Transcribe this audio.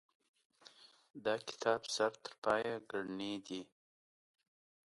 دا کتاب سر ترپایه ګړنې دي.